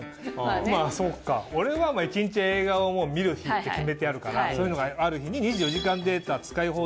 そっか俺は一日映画を見る日って決めてあるからそういうのがある日に２４時間データ使い放題を選ぶ。